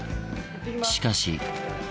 しかし。